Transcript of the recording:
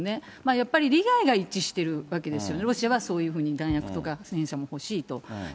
やっぱり利害が一致しているわけですよね、ロシアがそういうふうに弾薬とか戦車も欲しいと。